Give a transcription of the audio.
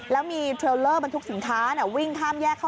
แล้วมีเทรลเลอร์ทุกสินท้าย